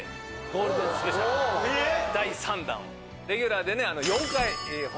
第３弾を。